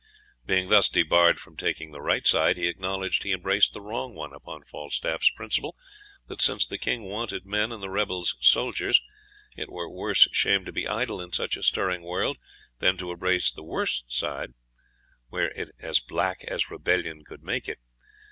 Being thus debarred from taking the right side, he acknowledged he embraced the wrong one, upon Falstaff's principle, that since the King wanted men and the rebels soldiers, it were worse shame to be idle in such a stirring world, than to embrace the worst side, were it as black as rebellion could make it.